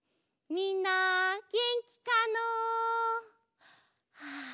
みんなげんきかの？はあ